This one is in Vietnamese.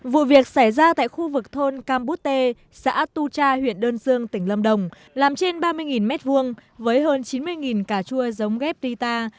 vụ việc xảy ra tại khu vực thôn campute xã tu cha huyện đơn dương tỉnh lâm đồng làm trên ba mươi m hai với hơn chín mươi cà chua giống ghép rita